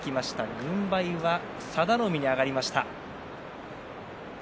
軍配は佐田の海に上がりました。